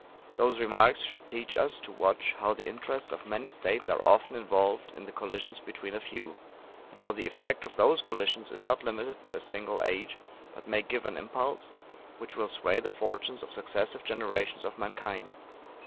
Those remarks should teach us to watch how the interests of many states are often involved in the collisions between a few; and how the effect of those collisions is not limited to a single age, but may give an impulse which will sway the fortunes of successive generations of mankind.